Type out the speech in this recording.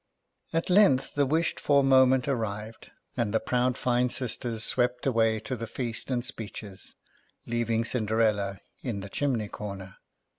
At length the wished for moment arrived, and the proud fine sisters swept away to the feast and speeches, leaving Cinderella in the chimney corner.